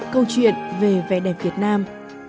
câu chuyện về vẻ đẹp việt nam